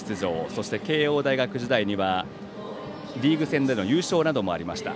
そして慶応大学時代にはリーグ戦での優勝などもありました。